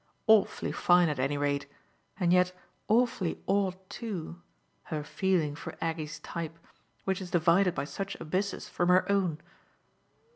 Awfully fine at any rate and yet awfully odd too her feeling for Aggie's type, which is divided by such abysses from her own."